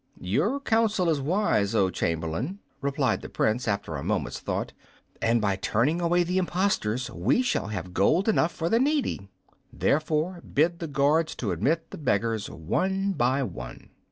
"Your counsel is wise, oh Chamberlain," replied the Prince, after a moment's thought; "and by turning away the impostors we shall have gold enough for the needy. Therefore bid the guards to admit the beggars one by one."